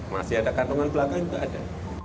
masih ada kantongan belakang nggak ada